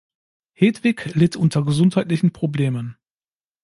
Hedwig litt unter gesundheitlichen Problemen.